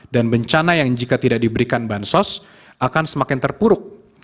dan bencana yang jika tidak diberikan bansos akan semakin terpuruk